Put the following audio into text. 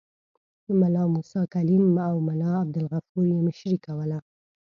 ملا موسی کلیم او ملا عبدالغفور یې مشري کوله.